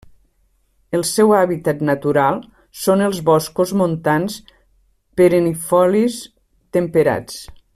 El seu hàbitat natural són els boscos montans perennifolis temperats.